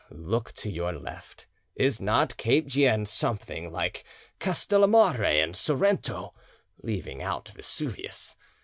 Look to your left, is not Cape Gien something like Castellamare and Sorrento—leaving out Vesuvius?